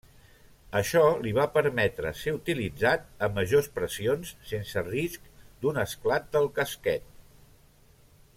Això li va permetre ser utilitzat a majors pressions sense risc d'un esclat del casquet.